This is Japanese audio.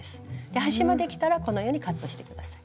端まできたらこのようにカットして下さい。